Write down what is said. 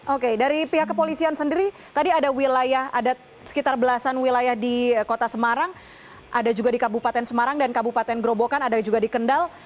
oke dari pihak kepolisian sendiri tadi ada sekitar belasan wilayah di kota semarang ada juga di kabupaten semarang dan kabupaten gerobokan ada juga di kendal